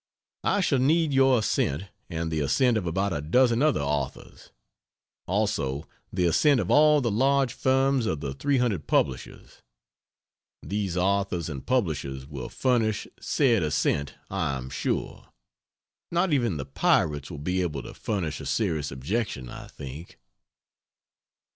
I shall need your assent and the assent of about a dozen other authors. Also the assent of all the large firms of the 300 publishers. These authors and publishers will furnish said assent I am sure. Not even the pirates will be able to furnish a serious objection, I think.